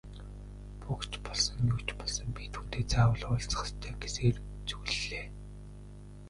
Буг ч болсон, юу ч болсон би түүнтэй заавал уулзах ёстой гэсээр зүглэлээ.